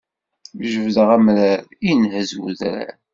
Jebdeɣ amrar, inhez udrar.